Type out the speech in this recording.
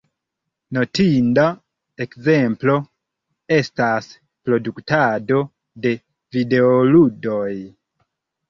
Notinda ekzemplo estas produktado de videoludoj.